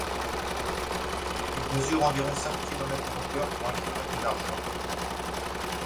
Il mesure environ cinq kilomètres de longueur pour un kilomètre de largeur.